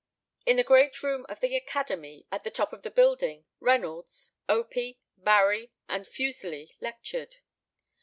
In the great room of the Academy, at the top of the building, Reynolds, Opie, Barrie, and Fuseli lectured.